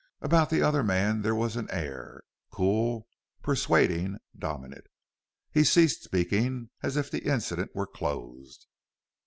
About the other man there was an air cool, persuading, dominant. He ceased speaking, as if the incident were closed.